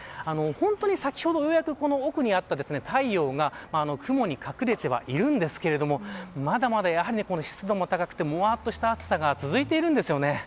本当に先ほどようやく奥にあった太陽が雲に隠れてはいるんですけどまだまだやはり湿度も高くてもわっとした暑さが続いているんですよね。